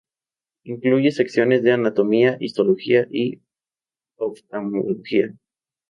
Incluye secciones de Anatomía, Histología y Oftalmología.